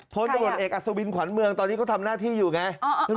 พลตำรวจเอกอัศวินขวัญเมืองตอนนี้เขาทำหน้าที่อยู่ไง